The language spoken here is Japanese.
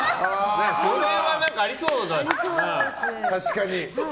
それはありそうだな。